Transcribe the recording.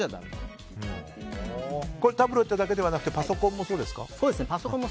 タブレットだけではなくてパソコンもそうですね。